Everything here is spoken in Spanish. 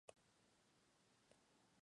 La recepción en China fue mucho más positiva.